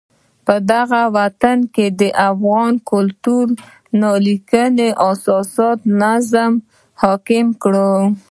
پدغه وطن کې د افغان کلتور نا لیکلو اساساتو نظم حاکم کړی.